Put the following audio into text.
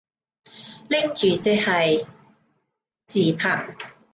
拎住隻鞋自拍